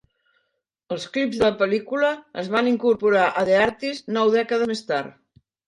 Els clips de la pel·lícula es van incorporar a "The Artist" nou dècades més tard.